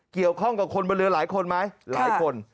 เกี่ยวข้องกับคนบนเรือหลายคนไหมหลายคน